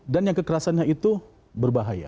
dan yang kekerasannya itu berbahaya